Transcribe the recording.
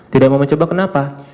tidak mau mencoba kenapa